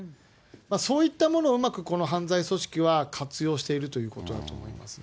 そういったものをうまくこの犯罪組織は活用しているということだと思いますね。